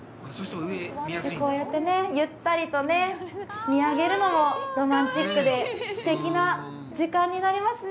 こうやってね、ゆったりとね、見上げるのもロマンチックですてきな時間になりますね。